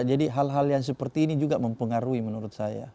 jadi hal hal yang seperti ini juga mempengaruhi menurut saya